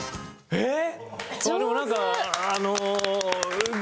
えっ！？